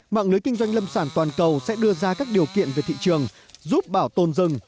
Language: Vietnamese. mạng lưới kinh doanh lâm sản toàn cầu sẽ đưa ra các điều kiện về thị trường giúp bảo tồn rừng